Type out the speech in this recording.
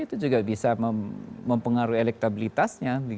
itu juga bisa mempengaruhi elektabilitasnya